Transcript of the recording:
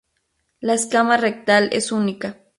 La escama rectal es única.